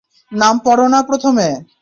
নাম পড় না প্রথমে।